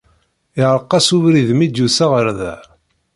Iɛreq-as ubrid mi d-yusa ɣer da.